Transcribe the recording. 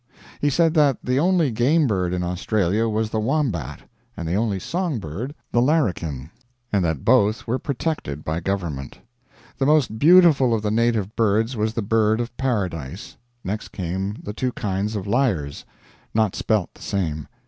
He said that the only game bird in Australia was the wombat, and the only song bird the larrikin, and that both were protected by government. The most beautiful of the native birds was the bird of Paradise. Next came the two kinds of lyres; not spelt the same.